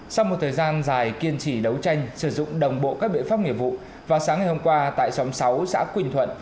sau một thời gian dài kiên trì đấu tranh sử dụng đồng bộ các biện pháp nghiệp vụ vào sáng ngày hôm qua tại xóm sáu xã quỳnh thuận